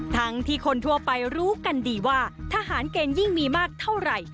ทั้งที่คนทั่วไปรู้กันดีว่าทหารเกณฑ์ยิ่งมีมากเท่าไหร่